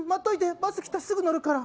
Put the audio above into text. バス来たらすぐ乗るから。